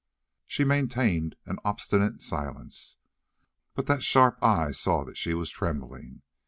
She maintained an obstinate silence, but that sharp eye saw that she was trembling.